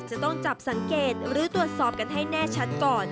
จะต้องจับสังเกตหรือตรวจสอบกันให้แน่ชัดก่อน